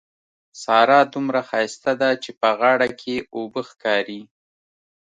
سارا دومره ښايسته ده چې په غاړه کې يې اوبه ښکاري.